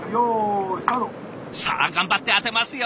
さあ頑張って当てますよ！